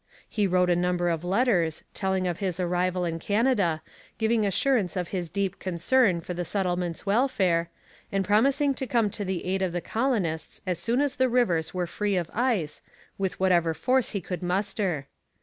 He wrote a number of letters, telling of his arrival in Canada, giving assurance of his deep concern for the settlement's welfare, and promising to come to the aid of the colonists as soon as the rivers were free of ice, with whatever force he could muster.